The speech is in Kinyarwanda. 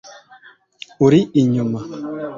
uri inyuma